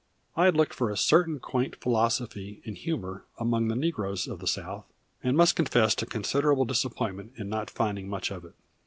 I had looked for a certain quaint philosophy and humor among the negroes of the South, and must confess to considerable disappointment in not finding much of it.